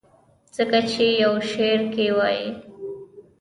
ځکه چې يو شعر کښې وائي :